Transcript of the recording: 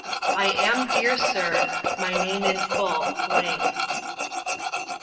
"I am dear Sir: "My name in Full "."